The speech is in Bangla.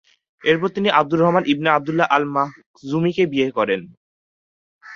এরপর তিনি আব্দুর রহমান ইবনে আবদুল্লাহ আল-মাখজুমিকে বিয়ে করেন।